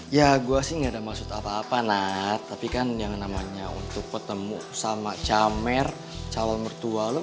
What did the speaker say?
ya gue sih enggak ada maksud apa apa nak tapi kan yang namanya untuk ketemu sama camer calon mertua lo